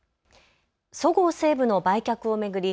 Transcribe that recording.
そごう・西武の売却を巡り